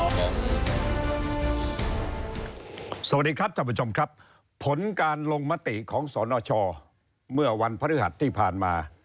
สวัสดีครับท่านผู้ชมครับผลการลงมติของสนชเมื่อวันพฤหัสที่ผ่านมา